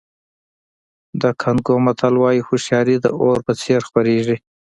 د کانګو متل وایي هوښیاري د اور په څېر خپرېږي.